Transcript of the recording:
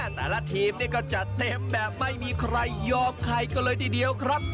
แต่ละทีมก็จัดเต็มแบบไม่มีใครยอมใครก็เลยทีเดียวครับ